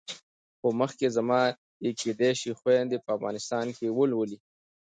خو مخکې زما یې کېدای شي خویندې په افغانستان کې ولولي.